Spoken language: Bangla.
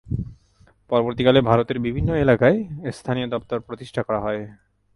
পরবর্তীকালে ভারতের বিভিন্ন এলাকায় এর স্থানীয় দফতর প্রতিষ্ঠা করা হয়।